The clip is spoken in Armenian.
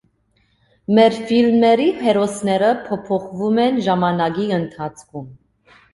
Մեր ֆիլմերի հերոսները փոփոխվում են ժամանակի ընթացքում։